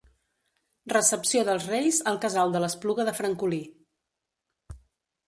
Recepció dels Reis al Casal de l'Espluga de Francolí.